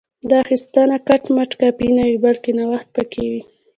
دا اخیستنه کټ مټ کاپي نه وي بلکې نوښت پکې وي